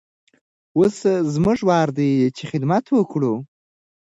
اوس زموږ وار دی چې خدمت وکړو.